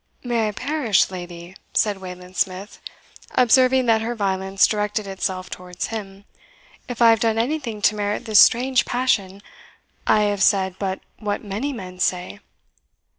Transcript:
"May I perish, lady," said Wayland Smith, observing that her violence directed itself towards him, "if I have done anything to merit this strange passion! I have said but what many men say."